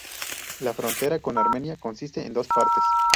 La frontera con Armenia consiste en dos partes.